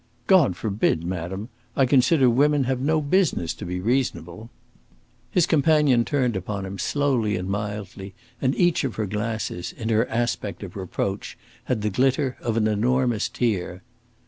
"God forbid, madam! I consider women have no business to be reasonable." His companion turned upon him, slowly and mildly, and each of her glasses, in her aspect of reproach, had the glitter of an enormous tear.